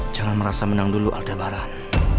jangan merasa menang dulu altabaran